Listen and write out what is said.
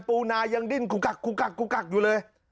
ปูนายังดิ้นกุกกักอยู่เลย